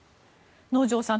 能條さん